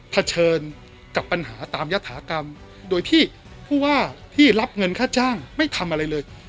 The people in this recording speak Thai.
เฉินกับปัญหาตามยฐากรรมโดยที่ผู้ว่าที่รับเงินค่าจ้างไม่ทำอะไรเลย